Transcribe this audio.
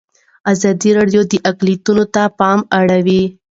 ازادي راډیو د اقلیتونه ته پام اړولی.